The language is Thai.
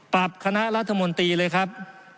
คณะรัฐมนตรีเลยครับ